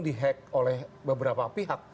di hack oleh beberapa pihak